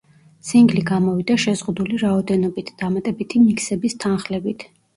სინგლი გამოვიდა შეზღუდული რაოდენობით, დამატებითი მიქსების თანხლებით.